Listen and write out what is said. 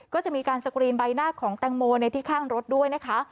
ก็จะมีการสกรีนใบหน้าของแตงโมในที่ข้างรถด้วยนะคะ